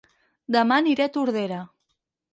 Dema aniré a Tordera